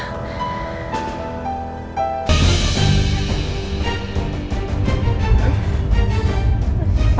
semoga elsa gak kenapa kenapa